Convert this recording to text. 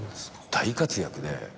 大活躍で。